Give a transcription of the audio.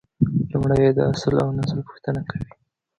لومړی یې د اصل اونسل پوښتنه کوي.